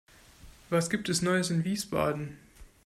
Was gibt es Neues in Wiesbaden?